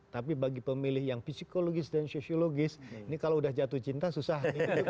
tapi bagi pemilih yang psikologis dan sosiologis ini kalau sudah jatuh cinta susah